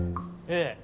ええ。